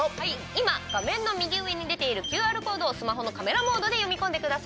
今画面の右上に出ているＱＲコードをスマホのカメラモードで読み込んでください。